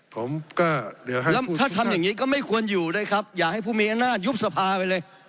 ผมก็แล้วถ้าทำอย่างนี้ก็ไม่ควรอยู่ด้วยครับอย่าให้ผู้มีอำนาจยุบสภาไปเลย